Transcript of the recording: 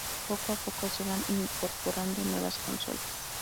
Poco a poco se van incorporando nuevas consolas.